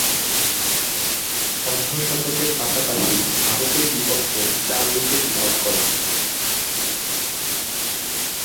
অর্ধ-শতকের পাশাপাশি ভারতের বিপক্ষে চার উইকেট লাভ করেন।